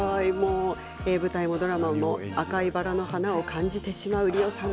舞台もドラマも赤いバラの花を感じてしまうりおさん。